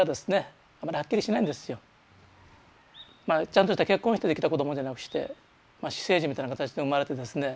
ちゃんとした結婚してできた子供じゃなくして私生児みたいな形で生まれてですね。